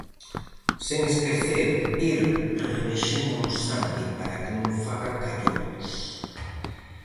Sen esquecer ir remexendo no sangue para que non faga callóns.